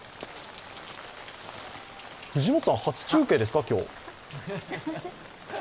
藤本さん、初中継ですか、今日。